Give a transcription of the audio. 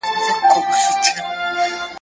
ستا پر لوري د اسمان سترګي ړندې دي